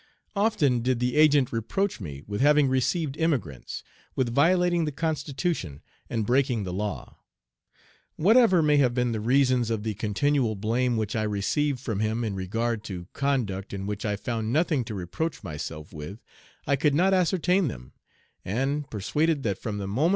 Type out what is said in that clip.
"Often did the Agent reproach me with having received emigrants, with violating the constitution, and breaking the law. Whatever may have been the reasons of the continual blame which I received from him in regard to conduct in which I found nothing to reproach myself with, I could not ascertain them, and, persuaded that, from the moment.